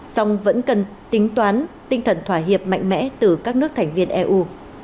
song vẫn cần tính toán tinh thần thỏa hiệp mạnh mẽ từ các nước thành viên eu